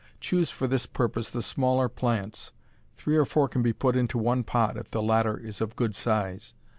Choose for this purpose the smaller plants. Three or four can be put into one pot if the latter is of good size.